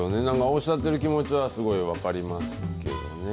おっしゃってる気持ちは、すごい分かりますけどね。